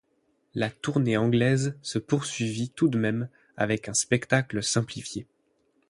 La tournée anglaise se poursuivit tout de même, avec un spectacle simplifié.